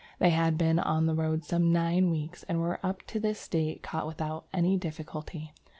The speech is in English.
"They had been on the road some nine weeks, and were up to this date caught without any difficulty.